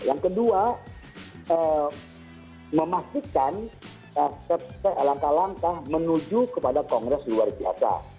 yang kedua memastikan langkah langkah menuju kepada kongres luar biasa